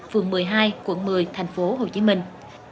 phường một mươi hai quận một mươi thành phố hồ chí minh